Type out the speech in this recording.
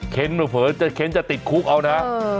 เค้นถึงจะเผลอเค้นจะติดคุกเอานะ